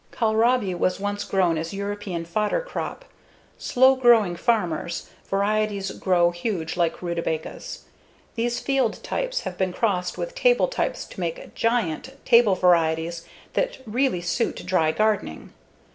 Kohlrabi was once grown as European fodder crop; slow growing farmers, varieties grow huge like rutabagas. These field types have been crossed with table types to make "giant" table varieties that really suit dry gardening.